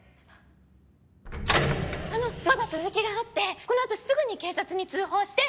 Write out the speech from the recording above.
あのまだ続きがあってこのあとすぐに警察に通報して。